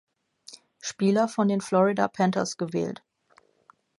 Spieler von den Florida Panthers gewählt.